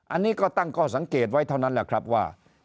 อันนี้ก็ตั้งข้อสังเกตไว้เท่านั้นแหละครับว่า